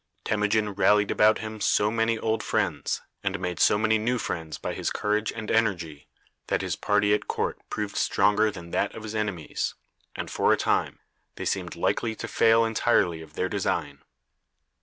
Temujin rallied about him so many old friends, and made so many new friends by his courage and energy, that his party at court proved stronger than that of his enemies, and, for a time, they seemed likely to fail entirely of their design.